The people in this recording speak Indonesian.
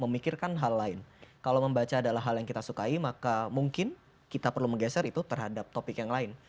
memikirkan hal lain kalau membaca adalah hal yang kita sukai maka mungkin kita perlu menggeser itu terhadap topik yang lain